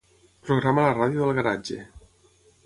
Programa la ràdio del garatge.